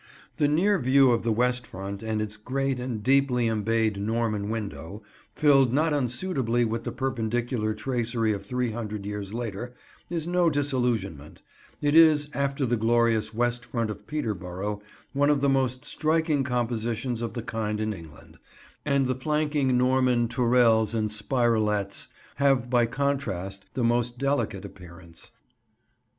The near view of the West Front and its great and deeply embayed Norman window, filled not unsuitably with the Perpendicular tracery of three hundred years later, is no disillusionment; it is, after the glorious West Front of Peterborough, one of the most striking compositions of the kind in England, and the flanking Norman tourelles and spirelets have by contrast the most delicate appearance.